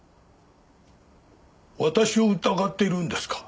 私を疑っているんですか？